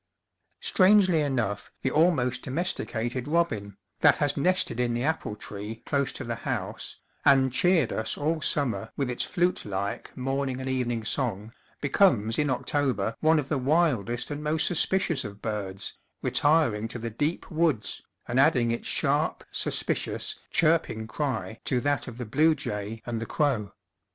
Strangely enough, the almost domesti cated robin, that has nested in the apple tree 164 The Autumn Wood Path close to the house, and cheered us all sum mer with its flutelike morning and evening song, becomes in October one of the wildest and most suspicious of birds, retiring to the deep woods and adding its sharp, suspicious, chirping cry to that of the blue jay and the crow.